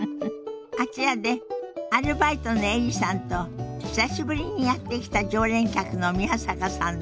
あちらでアルバイトのエリさんと久しぶりにやって来た常連客の宮坂さんのおしゃべりが始まりそうよ。